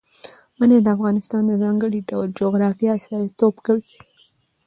منی د افغانستان د ځانګړي ډول جغرافیه استازیتوب کوي.